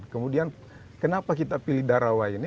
kemudian kenapa kita pilih darawa ini